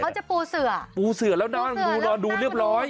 จะปูเสือปูเสือแล้วนอนปูนอนดูเรียบร้อย